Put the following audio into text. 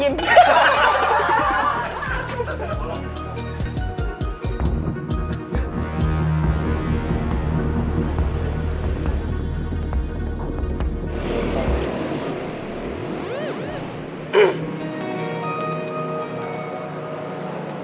gak ada apa apa ray